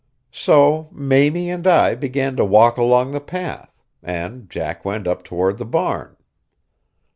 So Mamie and I began to walk along the path, and Jack went up toward the barn.